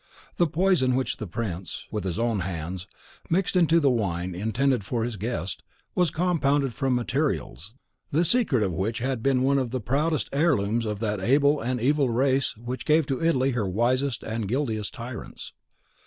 The poison which the prince, with his own hands, mixed into the wine intended for his guest, was compounded from materials, the secret of which had been one of the proudest heir looms of that able and evil race which gave to Italy her wisest and guiltiest tyrants.